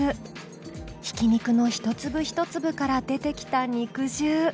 ひき肉の一粒一粒から出てきた肉汁。